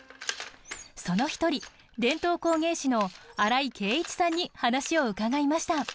その一人伝統工芸士の新井啓一さんに話を伺いました。